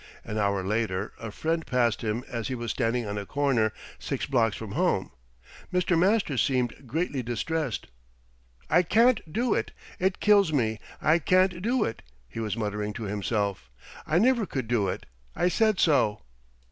An hour later a friend passed him as he was standing on a corner six blocks from home. Mr. Master seemed greatly distressed. "I can't do it! It kills me; I can't do it!" he was muttering to himself. "I never could do it. I said so."